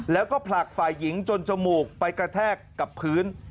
แล้วก็ผลักฝ่ายหญิงจนจมูกไปกระแทกกับพื้น